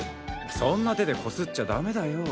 そんな手でこすっちゃダメだよ。